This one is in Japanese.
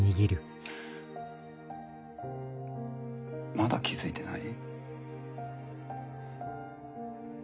まだ気付いてない？